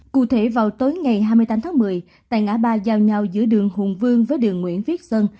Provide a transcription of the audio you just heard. cụ thể vào tối ngày hai mươi tám tháng một mươi tại ngã ba giao nhau giữa đường hùng vương với đường nguyễn viết xuân